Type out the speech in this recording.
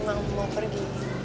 emang mau pergi